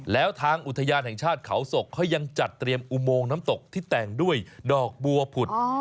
แล้วทางอุทยานแห่งชาติเขาศกเขายังจัดเตรียมอุโมงน้ำตกที่แต่งด้วยดอกบัวผุด